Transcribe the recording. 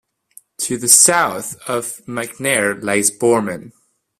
To the south of McNair lies Borman.